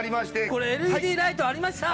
これＬＥＤライトありました！